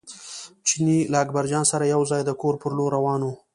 چیني له اکبرجان سره یو ځای د کور پر لور روان و.